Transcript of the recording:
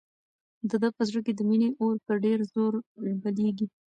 د ده په زړه کې د مینې اور په ډېر زور بلېږي.